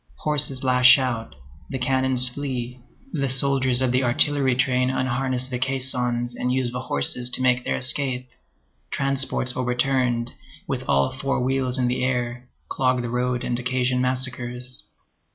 Horses lash out, the cannons flee; the soldiers of the artillery train unharness the caissons and use the horses to make their escape; transports overturned, with all four wheels in the air, clog the road and occasion massacres.